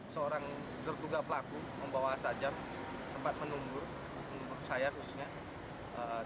seorang tertugas pelaku membawa sajar sempat menunggu menunggu saya khususnya